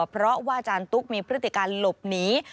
เพราะว่าอาจารย์ตุ๊กมีพฤติการหลบหนี